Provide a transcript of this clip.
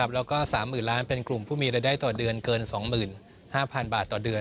แล้วก็๓๐๐๐ล้านเป็นกลุ่มผู้มีรายได้ต่อเดือนเกิน๒๕๐๐๐บาทต่อเดือน